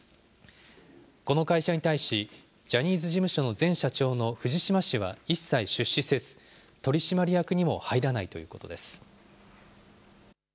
この会社に対し、ジャニーズ事務所の前社長の藤島氏は一切出資せず、取締役にも入らないということです。